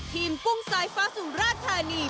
กุ้งสายฟ้าสุราธานี